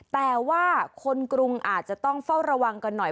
แต่ว่าคนกรุงอาจจะต้องเฝ้าระวังกันหน่อย